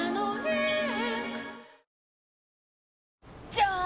じゃーん！